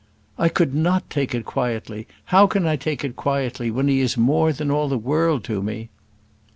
"I could not take it quietly. How can I take it quietly when he is more than all the world to me?"